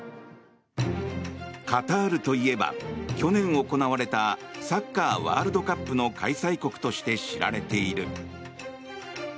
カタールといえば去年行われたサッカーワールドカップの開催国として知られている。